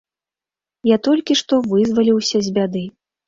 Я толькі што вызваліўся з бяды.